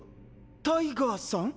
タイガーさん？